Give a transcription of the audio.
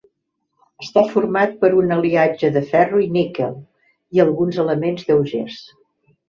Està format per un aliatge de ferro i níquel i alguns elements lleugers.